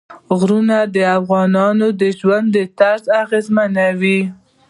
غرونه د افغانانو د ژوند طرز اغېزمنوي.